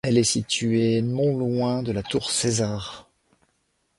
Elle est située non loin de la tour César.